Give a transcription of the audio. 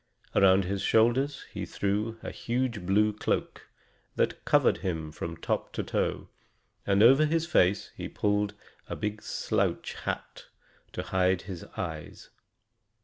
Around his shoulders he threw a huge blue cloak, that covered him from top to toe, and over his face he pulled a big slouch hat, to hide his eyes.